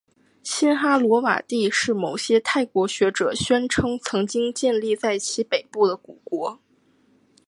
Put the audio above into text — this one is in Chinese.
辛哈罗瓦帝是某些泰国学者宣称曾经建立在其北部的古国。